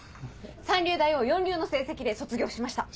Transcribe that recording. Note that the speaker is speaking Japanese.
三流大を四流の成績で卒業しました。